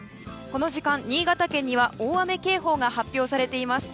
この時間、新潟県には大雨警報が発表されています。